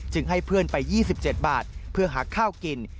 ให้เพื่อนไป๒๗บาทเพื่อหาข้าวกิน